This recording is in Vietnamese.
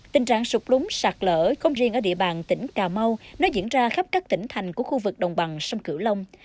tình trạng sụp lúng sạt lỡ không riêng ở địa bàn tỉnh cà mau nó diễn ra khắp các tỉnh thành của khu vực đồng bằng sông cửu long